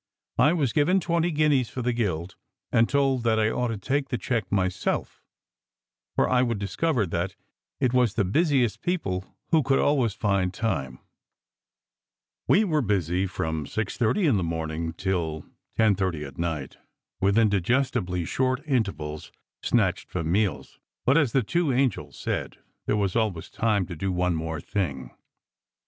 I was given twenty guineas for the guild and told that I ought to take the cheque myself, for I would discover that " it was the busi est people who could always find time." SECRET HISTORY 255 We were busy from six thirty in the morning till ten thirty at night, with indigestibly short intervals snatched for meals; but, as the two angels said, there was always time to do one more thing.